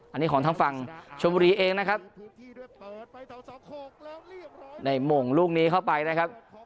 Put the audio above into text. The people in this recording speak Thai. อันนี้ของทางฝั่งชมบุรีเองนะครับในหม่งลูกนี้เข้าไปนะครับ